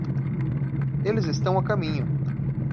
Eles estão a caminho.